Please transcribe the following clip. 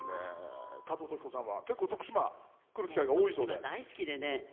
加藤登紀子さんは徳島に来る機会が多いそうで。